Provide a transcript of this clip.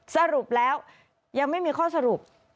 สรุปแล้วยังไม่มีข้อสรุป